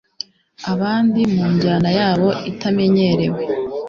abandi, mu njyana yabo itamenyerewe